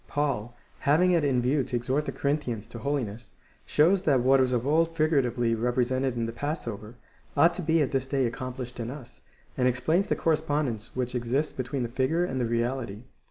Paul, having it in view to exhort the Corinthians to holiness, shows that what was of old figuratively represented in the passover, ought to be at this day accomplished in us, and explains the cor respondence which exists between the figure and the reality.